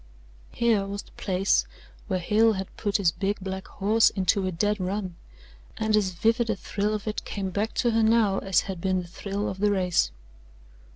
Here was the place where Hale had put his big black horse into a dead run, and as vivid a thrill of it came back to her now as had been the thrill of the race.